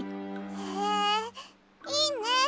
へえいいね！